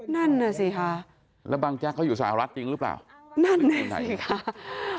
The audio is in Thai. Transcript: นั่นน่ะสิคะแล้วบางแจ๊กเขาอยู่สหรัฐจริงหรือเปล่านั่นไหนไหนคะ